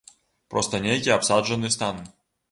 Проста нейкі абсаджаны стан.